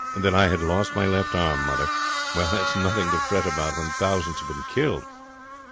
"That I had lost my left arm, mother. Well, that is nothing to fret about when thousands have been killed.